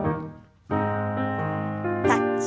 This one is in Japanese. タッチ。